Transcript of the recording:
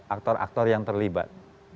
aktor aktor yang terlibat